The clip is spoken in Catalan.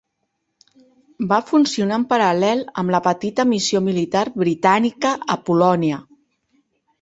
Va funcionar en paral·lel amb la petita missió militar britànica a Polònia.